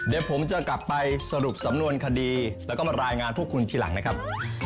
เดี๋ยวผมจะกลับไปสรุปสำนวนคดีแล้วก็มารายงานพวกคุณทีหลังนะครับ